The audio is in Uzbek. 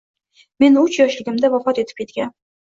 Men uch yoshligimda vafot etib ketgan.